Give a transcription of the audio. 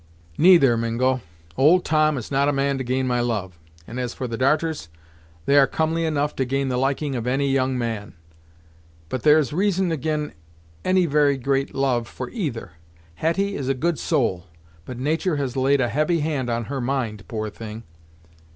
"Neither, Mingo. Old Tom is not a man to gain my love, and, as for the darters, they are comely enough to gain the liking of any young man, but there's reason ag'in any very great love for either. Hetty is a good soul, but natur' has laid a heavy hand on her mind, poor thing."